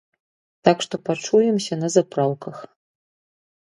Так што пачуемся на запраўках!